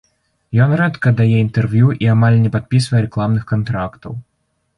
Ён рэдка дае інтэрв'ю і амаль не падпісвае рэкламных кантрактаў.